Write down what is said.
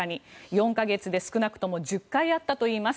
４か月で少なくとも１０回あったといいます。